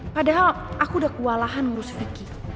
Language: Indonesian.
padahal aku udah kewalahan ngurus vicky